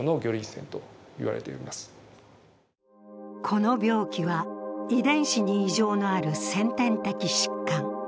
この病気は遺伝子に異常のある先天的疾患。